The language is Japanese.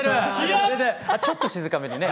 ちょっと静かめでね。